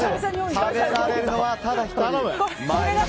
食べられるのはただ１人。